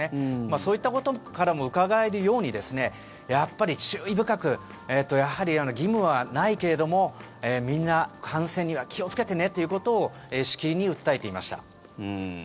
そういったことからもうかがえるようにやっぱり注意深くやはり義務はないけれどもみんな、感染には気をつけてねということをしきりに訴えていました。